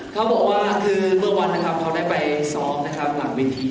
เค้าบอกว่าเมื่อวานเค้าได้ไปสอบหลังเวที